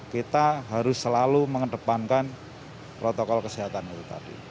kita harus selalu mengedepankan protokol kesehatan itu tadi